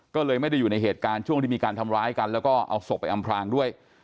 ก็เลยไม่ได้อยู่ในเหตุการณ์ช่วงที่มีการทำร้ายกันแล้วก็เอาศพไปอำพลางด้วย